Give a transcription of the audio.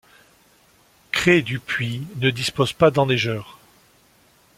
Cret du Puy ne dispose pas d'enneigeurs.